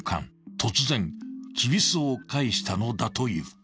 突然きびすを返したのだという］